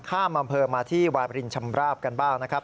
ข้ามอำเภอมาที่วาบรินชำราบกันบ้างนะครับ